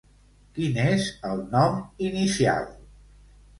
Quin és el nom inicial?